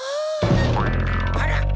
あら！